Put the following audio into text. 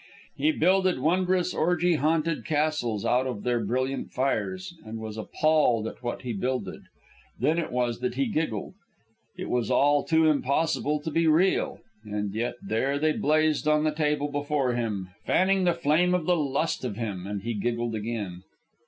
He builded wondrous, orgy haunted castles out of their brilliant fires, and was appalled at what he builded. Then it was that he giggled. It was all too impossible to be real. And yet there they blazed on the table before him, fanning the flame of the lust of him, and he giggled again.